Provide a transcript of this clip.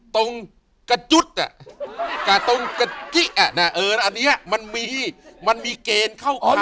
ตรงกระจุ๊ดอ่ะกับตรงกระจิ๊กอันนี้มันมีมันมีเกณฑ์เข้าข้าง